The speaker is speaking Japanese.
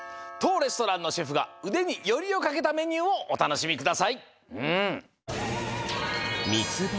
とうレストランのシェフがうでによりをかけたメニューをおたのしみください。